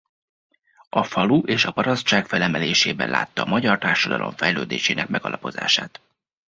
A falu és a parasztság felemelésében látta a magyar társadalom fejlődésének megalapozását.